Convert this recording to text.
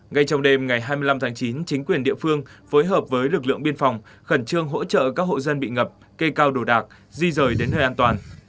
ngay trong đêm ngày hai mươi năm tháng chín chính quyền địa phương phối hợp với lực lượng biên phòng khẩn trương hỗ trợ các hộ dân bị ngập cây cao đổ đạc di rời đến nơi an toàn